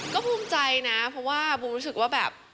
ก็ภูมิใจนะเพราะว่าบูมรู้สึกว่าแบบ